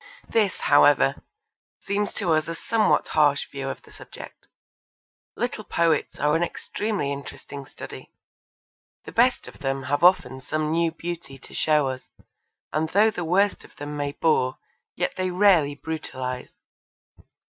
This, however, seems to us a somewhat harsh view of the subject. Little poets are an extremely interesting study. The best of them have often some new beauty to show us, and though the worst of them may bore yet they rarely brutalise.